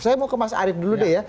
saya mau ke mas arief dulu deh ya